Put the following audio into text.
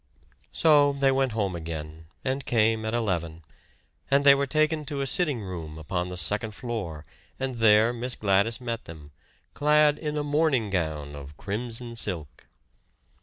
So they went home again and came at eleven; and they were taken to a sitting room upon the second floor and there Miss Gladys met them, clad in a morning gown of crimson silk.